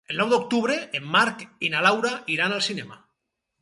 El nou d'octubre en Marc i na Laura iran al cinema.